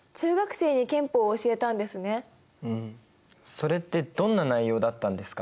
それってどんな内容だったんですか？